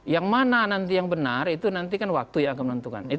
yang mana nanti yang benar itu nanti kan waktu yang akan menentukan